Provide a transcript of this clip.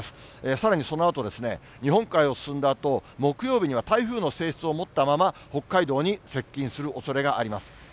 さらにそのあとですね、日本海を進んだあと、木曜日には台風の性質を持ったまま、北海道に接近するおそれがあります。